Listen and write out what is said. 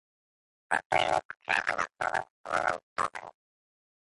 It forms part of the Tagus river basin.